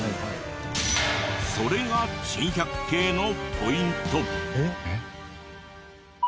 それが珍百景のポイント。